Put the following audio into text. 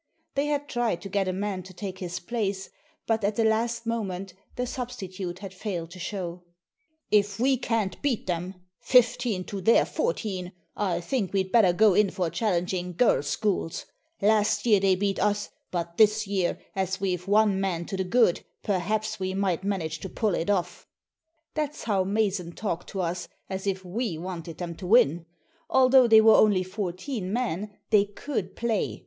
They had tried to get a man to take his place, but at the last moment the substitute had failed to show. " If we can't beat them — fifteen to their fourteen !— I think we'd better go in for challenging girls' 152 Digitized by VjOOQIC THE FIFTEENTH MAN 153 schools. Last year they beat us, but this year, as we've one man to the good, perhaps we might •manage to pull it off." That's how Mason talked to us, as if we wanted them to win! Although they were only fourteen 'men, they could play.